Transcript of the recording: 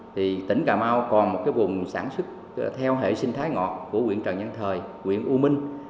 thì tỉnh cà mau còn một cái vùng sản xuất theo hệ sinh thái ngọt của quyện trần nhân thời quyện u minh